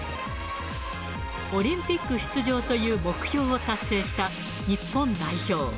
オリンピック出場という目標を達成した、日本代表。